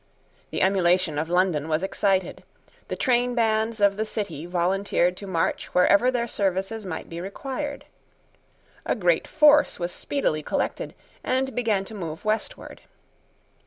The emulation of London was excited. The trainbands of the City volunteered to march wherever their services might be required. A great force was speedily collected, and began to move westward.